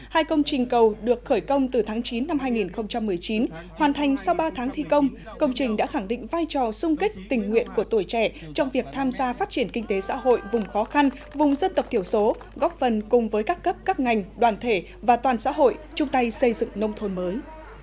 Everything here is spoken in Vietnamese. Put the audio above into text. hai công trình cầu được khởi công từ tháng chín năm hai nghìn một mươi chín hoàn thành sau ba tháng thi công công trình đã khẳng định vai trò sung kích tình nguyện của tuổi trẻ trong việc tham gia phát triển kinh tế xã hội vùng khó khăn vùng dân tộc thiểu số góp phần cùng với các cấp các ngành đoàn thể và toàn xã hội chung tay xây dựng nông thôn mới